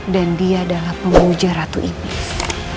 dan dia adalah penguja ratu iblis